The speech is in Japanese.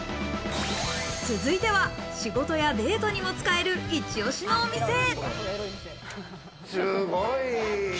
続いては仕事やデートにも使えるイチオシのお店へ。